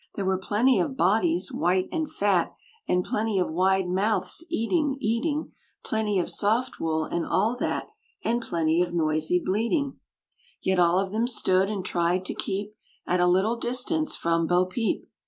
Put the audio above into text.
There were plenty of bodies, white and fat; And plenty of wide mouths, eating, eating; Plenty of soft wool, and all that: And plenty of noisy bleating; Yet all of them stood, and tried to keep At a little distance from Bo Peep!